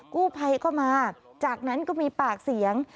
กู้ภัยก็มาจากนั้นก็มีปากเสียง